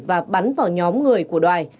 và bắn vào nhóm người của đoài